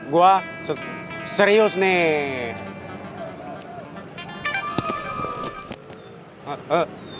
gua serius nih